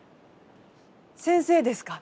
先生ですか？